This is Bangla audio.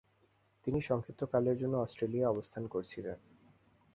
তিনি সংক্ষিপ্তকালের জন্য অস্ট্রেলিয়ায় অবস্থান করছিলেন।